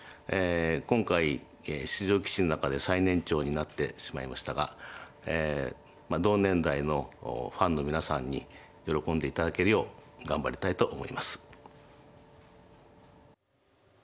今回出場棋士の中で最年長になってしまいましたが同年代のファンの皆さんに喜んで頂けるよう頑張りたいと思います。